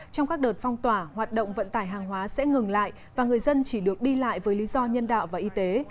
trong các đợt phong tỏa hoạt động vận tải hàng hóa sẽ ngừng lại và người dân chỉ được đi lại với lý do nhân đạo và y tế